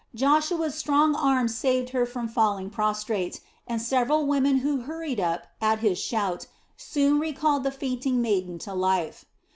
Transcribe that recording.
Joshua's strong arms saved her from falling prostrate, and several women who hurried up at his shout soon recalled the fainting maiden to life.